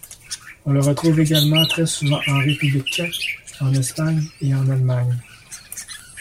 On le retrouve également très souvent en République Tchèque, en Espagne et en Allemagne.